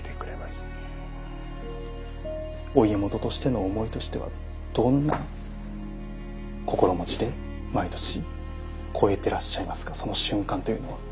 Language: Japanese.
お家元としての思いとしてはどんな心持ちで毎年越えてらっしゃいますかその瞬間というのは。